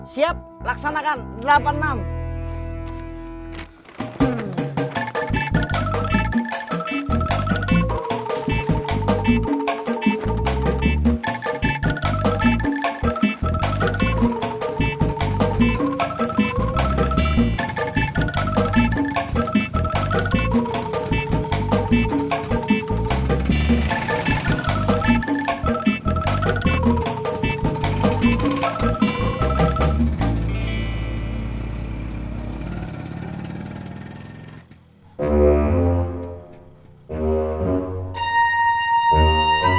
siap laksanakan delapan enam